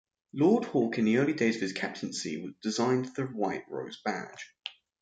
Lord Hawke, in the early days of his captaincy, designed the white rose badge.